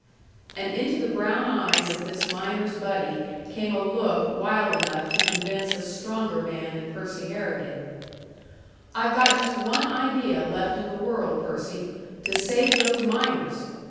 And into the brown eyes of this miner's buddy came a look wild enough to convince a stronger man than Percy Harrigan. "I've got just one idea left in the world, Percy to save those miners!